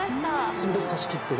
鋭く差し切ってね